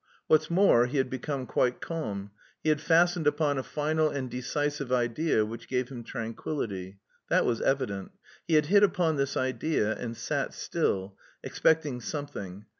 What's more, he had become quite calm. He had fastened upon a final and decisive idea which gave him tranquillity. That was evident. He had hit upon this idea, and sat still, expecting something.